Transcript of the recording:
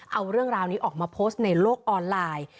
เอาเรื่องราวนี้ออกมาโพสต์ในโลกออนไลน์